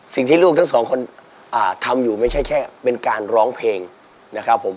สิ่งที่ลูกทั้งสองคนทำอยู่ไม่ใช่แค่เป็นการร้องเพลงนะครับผม